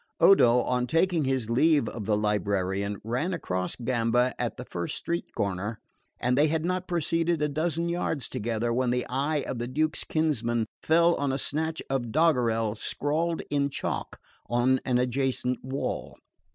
Odo, on taking his leave of the librarian, ran across Gamba at the first street corner; and they had not proceeded a dozen yards together when the eye of the Duke's kinsman fell on a snatch of doggerel scrawled in chalk on an adjacent wall.